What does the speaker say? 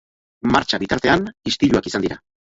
Martxa bitartean, istiluak izan dira dira.